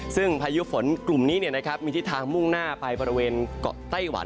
ซึ่งพายุฝนกลุ่มนี้มีทิศทางมุ่งหน้าไปบริเวณเกาะไต้หวัน